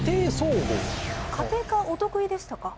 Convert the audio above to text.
家庭科はお得意でしたか？